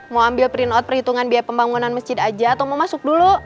mau ambil print out perhitungan biaya pembangunan masjid aja atau mau masuk dulu